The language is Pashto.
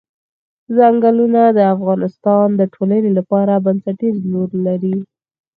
ځنګلونه د افغانستان د ټولنې لپاره بنسټيز رول لري.